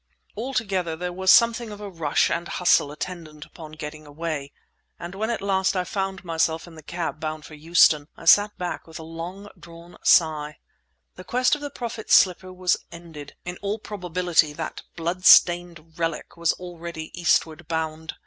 Altogether, there was something of a rush and hustle attendant upon getting away, and when at last I found myself in the cab, bound for Euston, I sat back with a long drawn sigh. The quest of the Prophet's slipper was ended; in all probability that blood stained relic was already Eastward bound.